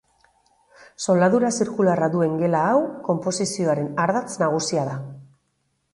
Zoladura zirkularra duen gela hau, konposizioaren ardatz nagusia da.